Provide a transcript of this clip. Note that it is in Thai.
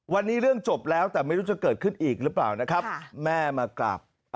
วันนี้เรื่องจบแล้วแต่ไม่รู้จะเกิดขึ้นอีกหรือเปล่านะครับแม่มากราบ